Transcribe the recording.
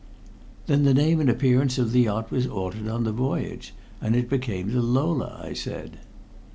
"Then the name and appearance of the yacht was altered on the voyage, and it became the Lola," I said.